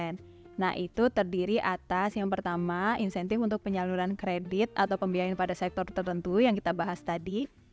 nah itu terdiri atas yang pertama insentif untuk penyaluran kredit atau pembiayaan pada sektor tertentu yang kita bahas tadi